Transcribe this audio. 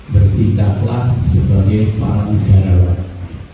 bertindaklah sebagai para negara warga